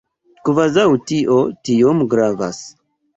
Kvazaŭ tio tiom gravas.